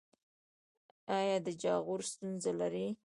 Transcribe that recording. ایا د جاغور ستونزه لرئ؟